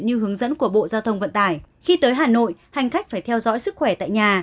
như hướng dẫn của bộ giao thông vận tải khi tới hà nội hành khách phải theo dõi sức khỏe tại nhà